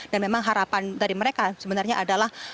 dan memang harapan dari mereka sebenarnya adalah